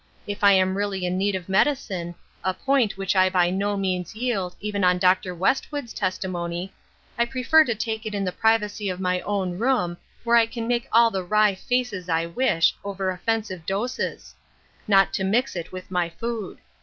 If I am really in need of medi cine, a point which I by no means yield, even on Dr. Westwood's testimony, I prefer to take it in the privacy of my own room, where I can make all the wry faces I wish, over offensive doses ; not to mix it with my food.